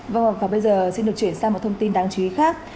vâng và bây giờ xin được chuyển sang một thông tin đáng chú ý khác